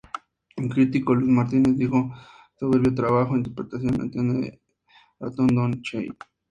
El crítico Luis Martínez dijo: "soberbio trabajo interpretativo, atención al ratón Don Cheadle.